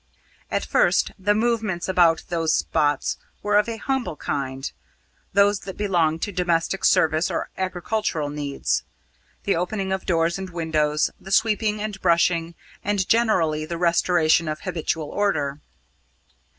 At first the movements about those spots were of a humble kind those that belong to domestic service or agricultural needs the opening of doors and windows, the sweeping and brushing, and generally the restoration of habitual order.